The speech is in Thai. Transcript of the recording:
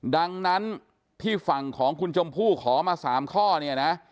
ดังนั้นที่ฝั่งของคุณชมพู่ขอมา๓ข้อเนี่ยนะ